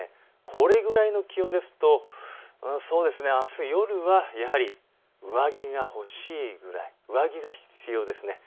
これぐらいの気温ですとあす夜はやはり上着が欲しいぐらい、上着が必要ですね。